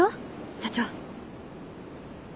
社長。